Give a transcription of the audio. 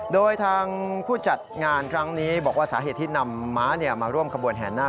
โดยทางผู้จัดงานครั้งนี้บอกว่าสาเหตุที่นำม้ามาร่วมขบวนแห่นาค